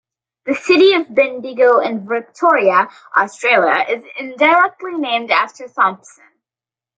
The city of Bendigo in Victoria, Australia is indirectly named after Thompson.